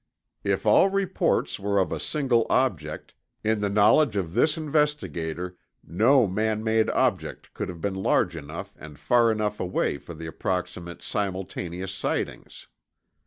If all reports were of a single object, in the knowledge of this investigator no man made object could have been large enough and far enough away for the approximate simultaneous sightings.